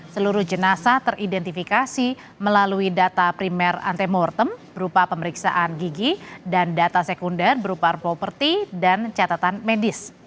seluruh jenazah teridentifikasi melalui data primer antemortem berupa pemeriksaan gigi dan data sekunder berupa properti dan catatan medis